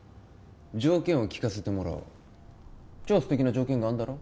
条件を聞かせてもらおう超素敵な条件があんだろ？